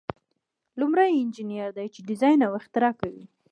لومړی انجینر دی چې ډیزاین او اختراع کوي.